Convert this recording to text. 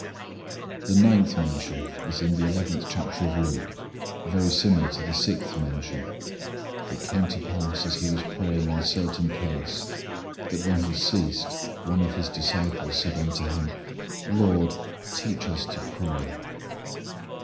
The ninth mention is in the eleventh chapter of Luke, very similar to the sixth mention, "It came to pass as He was praying in a certain place that when He ceased one of His disciples said unto Him, 'Lord, teach us to pray.'"